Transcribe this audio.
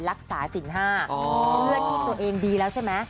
สินห้าเพื่อนที่ตัวเองดีแล้วใช่ไหม